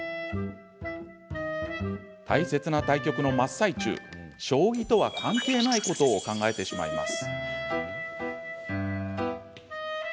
大切な対局の真っ最中、将棋とは関係ないことを考えてしまいます。